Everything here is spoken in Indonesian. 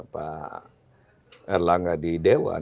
pak erlangga di dewan